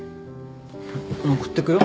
送ってくよ。